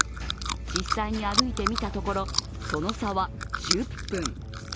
実際に歩いてみたところその差は１０分。